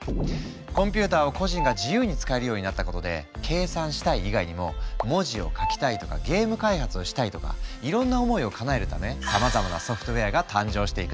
コンピューターを個人が自由に使えるようになったことで「計算したい」以外にも「文字を書きたい」とか「ゲーム開発」をしたいとかいろんな思いをかなえるためさまざまなソフトウェアが誕生していくの。